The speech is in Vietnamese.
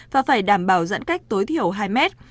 và phải đảm bảo giãn cách tối thiểu hai mét